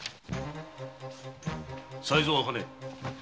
才三茜